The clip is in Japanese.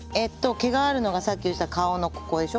毛があるのがさっき言ってた顔のここでしょ